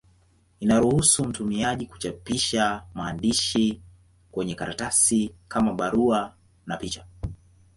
Inaruhusu mtumiaji kuchapisha maandishi kwenye karatasi, kama vile barua na picha.